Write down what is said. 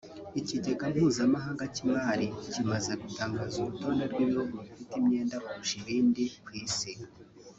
Ikigega mpuzamahanga cy’imari kimaze gutangaza urutonde rw’ibihugu bifite imyenda kurusha ibindi ku isi